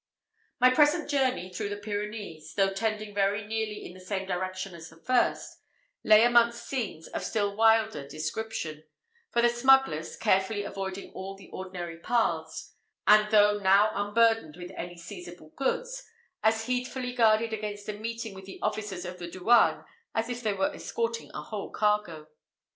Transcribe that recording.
My present journey through the Pyrenees, though tending very nearly in the same direction as the first, lay amongst scenes of a still wilder description, for the smugglers carefully avoid all the ordinary paths, and, though now unburdened with any seizable goods, as heedfully guarded against a meeting with the officers of the douane as if they were escorting a whole cargo.